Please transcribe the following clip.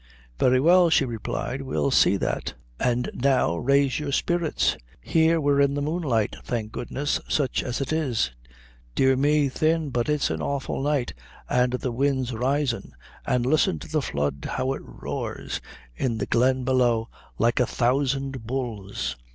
"Very well," she replied, we'll see that; an' now, raise your spirits. Here we're in the moonlight, thank goodness, such as it is. Dear me, thin, but it's an awful night, and the wind's risin'; and listen to the flood, how it roars in the glen below, like a thousand bulls!"